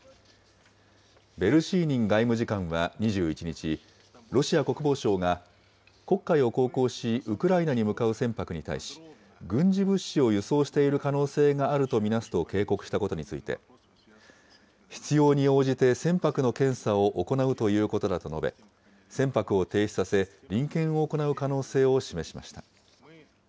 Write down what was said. ベルシーニン外務次官は２１日、ロシア国防省が、黒海を航行しウクライナに向かう船舶に対し、軍事物資を輸送している可能性があると見なすと警告したことについて、必要に応じて船舶の検査を行うということだと述べ、船舶を停止させ、臨検を行う可能性を示しました。